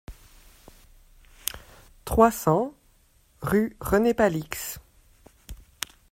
trois cents rue René Palix